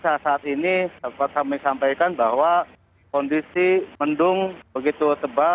saya bisa saat ini saya bisa menyampaikan bahwa kondisi mendung begitu tebal